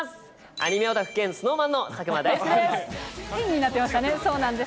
アニメオタク兼ＳｎｏｗＭａｎの佐久間大介です。